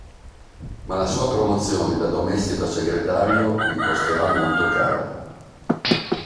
Ma la sua promozione da domestico a segretario gli costerà molto cara.